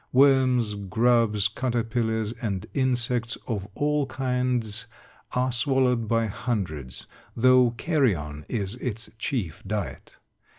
Worms, grubs, caterpillars, and insects of all kinds are swallowed by hundreds, though carrion is its chief diet.